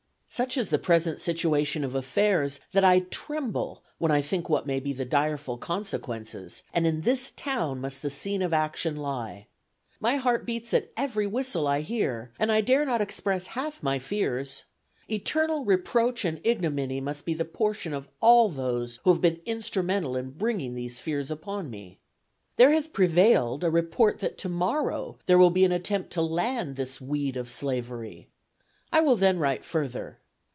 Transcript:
"Such is the present situation of affairs, that I tremble when I think what may be the direful consequences, and in this town must the scene of action lie. My heart beats at every whistle I hear, and I dare not express half my fears. Eternal reproach and ignominy be the portion of all those who have been instrumental in bringing these fears upon me. There has prevailed a report that tomorrow there will be an attempt to land this weed of slavery. I will then write further.